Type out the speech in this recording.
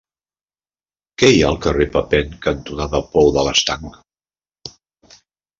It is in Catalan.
Què hi ha al carrer Papin cantonada Pou de l'Estanc?